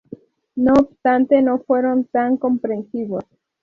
No obstante, no fueron tan comprensivos.